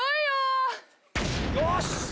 よし！